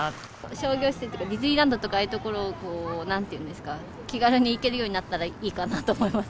商業施設とか、ディズニーランドとか、ああいう所、なんていうんですか、気軽に行けるようになったらいいかなと思います。